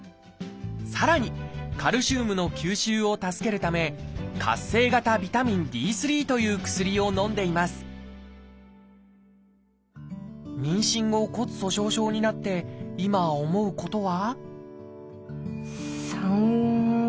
さらにカルシウムの吸収を助けるため活性型ビタミンＤという薬をのんでいます妊娠後骨粗しょう症になって今思うことは？